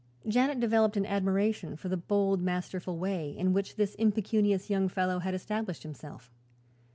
Janet developed an admiration for the bold, masterful way in which this impecunious young fellow had established himself.